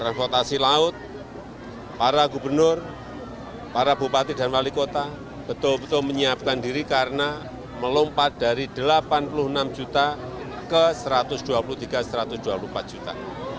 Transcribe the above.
transportasi laut para gubernur para bupati dan wali kota betul betul menyiapkan diri karena melompat dari delapan puluh enam juta ke satu ratus dua puluh tiga satu ratus dua puluh empat juta